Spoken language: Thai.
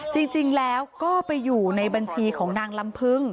จริงแล้วก็ไปอยู่ในบัญชีของนางลำพึง